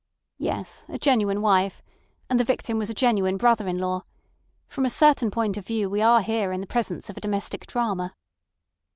"Yes, a genuine wife. And the victim was a genuine brother in law. From a certain point of view we are here in the presence of a domestic drama."